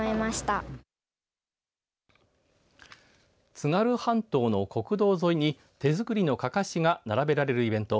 津軽半島の国道沿いに手作りのかかしが並べられるイベント